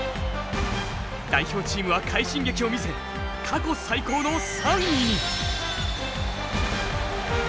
代表チームは快進撃を見せ過去最高の３位に。